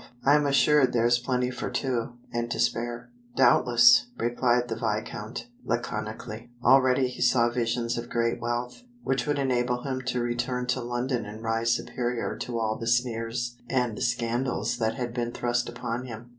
I am assured there is plenty for two, and to spare." "Doubtless," replied the viscount, laconically. Already he saw visions of great wealth, which would enable him to return to London and rise superior to all the sneers and scandals that had been thrust upon him.